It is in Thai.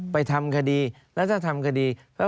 ทำคดีแล้วถ้าทำคดี